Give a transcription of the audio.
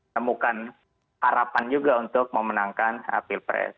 temukan harapan juga untuk memenangkan pilpres